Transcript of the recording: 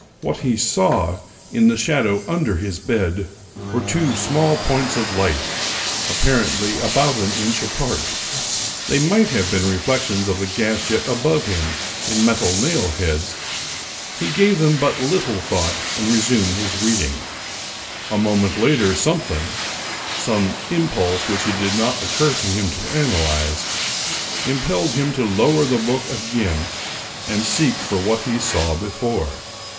What he saw, in the shadow under his bed, were two small points of light, apparently about an inch apart. They might have been reflections of the gas jet above him, in metal nail heads ; he gave them but little thought and resumed his reading, A moment later some thing — some impulse which it did not occur to him to analyze — impelled him to lower the book again and seek for what he saw before.